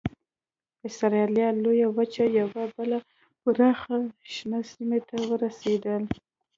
اسټرالیا لویې وچې یوې بلې پراخې شنې سیمې ته ورسېدل.